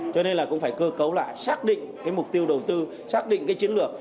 cho nên là cũng phải cơ cấu lại xác định cái mục tiêu đầu tư xác định cái chiến lược